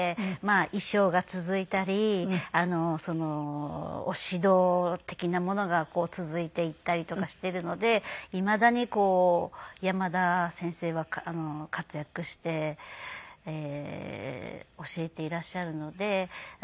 衣装が続いたり指導的なものが続いていったりとかしているのでいまだに山田先生は活躍して教えていらっしゃるので。